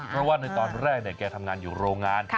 เพราะว่าในตอนแรกแกทำงานอยู่โรงงาน